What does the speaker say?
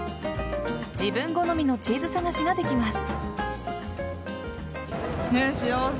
自分好みのチーズ探しができます。